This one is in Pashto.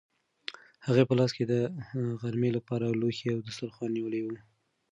هغې په لاس کې د غرمې لپاره لوښي او دسترخوان نیولي وو.